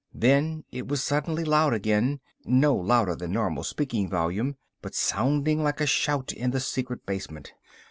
Then it was suddenly loud again, no louder than normal speaking volume, but sounding like a shout in the secret basement.